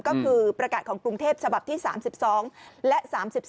ก็คือประกาศของกรุงเทพฉบับที่๓๒และ๓๒